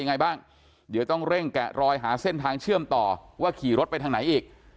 ยังไงบ้างเดี๋ยวต้องเร่งแกะรอยหาเส้นทางเชื่อมต่อว่าขี่รถไปทางไหนอีก